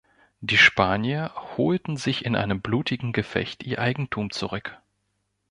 Die Spanier holten sich in einem blutigen Gefecht ihr Eigentum zurück.